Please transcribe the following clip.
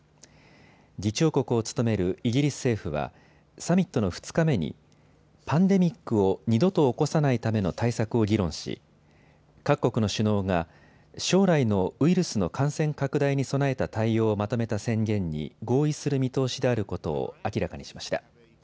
議長国を務めるイギリス政府はサミットの２日目にパンデミックを二度と起こさないための対策を議論し各国の首脳が将来のウイルスの感染拡大に備えた対応をまとめた宣言に合意する見通しであることを明らかにしました。